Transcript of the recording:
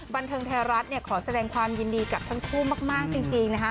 บันเทิงไทยรัฐเนี่ยขอแสดงความยินดีกับทั้งคู่มากจริงนะคะ